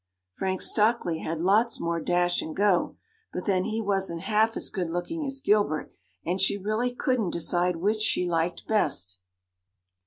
Frank Stockley had lots more dash and go, but then he wasn't half as good looking as Gilbert and she really couldn't decide which she liked best!